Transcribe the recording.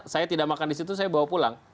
saya tidak makan disitu saya bawa pulang